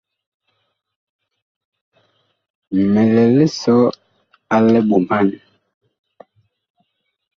Mi lɛ lisɔ a liɓoman.